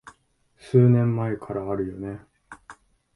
数年前からあるよね